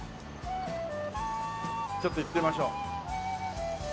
ちょっと行ってみましょう。